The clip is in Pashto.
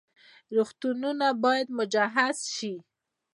روغتونونه باید مجهز شي